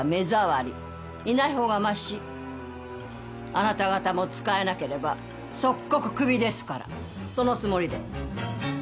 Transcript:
あなた方も使えなければ即刻クビですからそのつもりで。